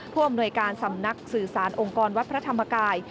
อำนวยการสำนักสื่อสารองค์กรวัดพระธรรมกาย